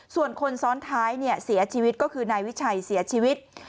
ส่วนคนซ้อนท้ายเสียชีวิตก็คือนายวิชัยเสียชีวิต